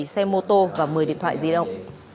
bảy xe mô tô và một mươi điện thoại di động